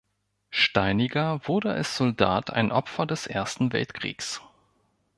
Steiniger wurde als Soldat ein Opfer des Ersten Weltkriegs.